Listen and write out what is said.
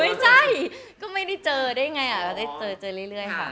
ไม่ใช่ก็ไม่ได้เจอได้ไงก็ได้เจอเจอเรื่อยค่ะ